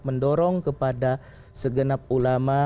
mendorong kepada segenap ulama